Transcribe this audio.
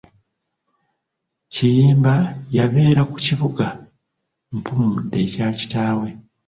Kiyimba yabeera ku kibuga Mpummudde ekya kitaawe.